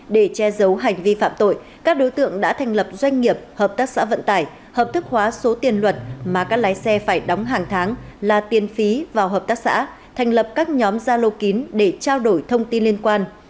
để che giấu hành vi phạm tội các đối tượng đã thành lập doanh nghiệp hợp tác xã vận tải hợp thức hóa số tiền luật mà các lái xe phải đóng hàng tháng là tiền phí vào hợp tác xã thành lập các nhóm gia lô kín để trao đổi thông tin liên quan